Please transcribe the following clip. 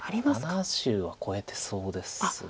７０は超えてそうです。